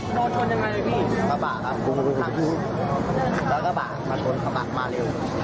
โดนชนยังไงพี่ระบะครับแล้วก็บ่ามาชนระบะมาเร็ว